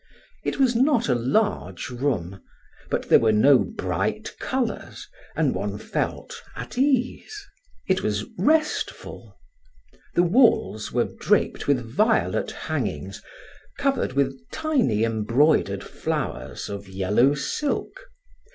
It was not a large room; but there were no bright colors, and one felt at ease; it was restful. The walls were draped with violet hangings covered with tiny embroidered flowers of yellow silk.